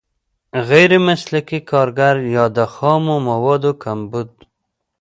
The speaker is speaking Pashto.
غیر مسلکي کارګر یا د خامو موادو کمبود.